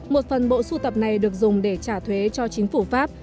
một phần bộ sưu tập này được dùng để trả thuế cho chính phủ pháp